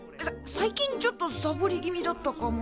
最近ちょっとサボり気味だったかも。